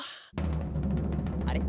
あれ？